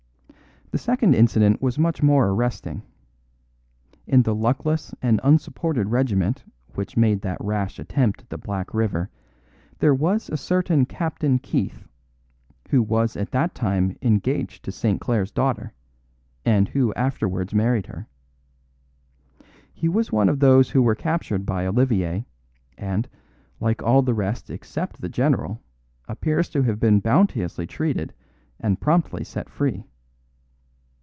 The second incident was much more arresting. In the luckless and unsupported regiment which made that rash attempt at the Black River there was a certain Captain Keith, who was at that time engaged to St. Clare's daughter, and who afterwards married her. He was one of those who were captured by Olivier, and, like all the rest except the general, appears to have been bounteously treated and promptly set free.